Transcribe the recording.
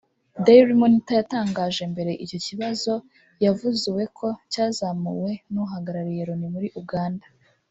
Daily Monitor yatangaje mbere icyo kibazo yavzue ko cyazamuwe n’Uhagarariye Loni muri Uganda